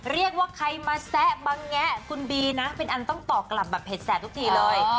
เรียกว่าใครมาแซะมาแงะคุณบีนะเป็นอันต้องตอบกลับแบบเผ็ดแสบทุกทีเลย